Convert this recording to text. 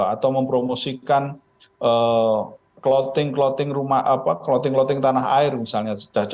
atau mempromosikan clothing clothing tanah air misalnya